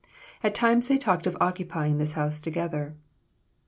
At times they talked of occupying this house together.